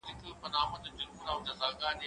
زه له سهاره بازار ته ځم!؟